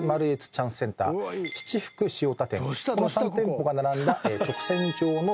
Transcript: この３店舗が並んだ直線上のライン。